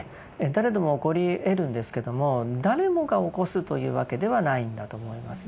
誰でも起こり得るんですけども誰もが起こすというわけではないんだと思いますね。